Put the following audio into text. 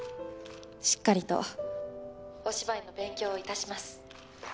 しっかりとお芝居の勉強を致します。